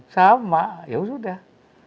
sama ya sudah